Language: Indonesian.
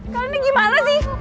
kalian ini gimana sih